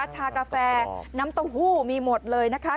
ชากาแฟน้ำเต้าหู้มีหมดเลยนะคะ